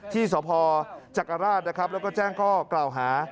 ที่สพจักรราชแล้วก็แจ้งก้อกล่าวหา